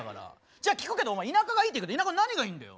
じゃあ聞くけどお前田舎がいいって言うけど田舎の何がいいんだよ。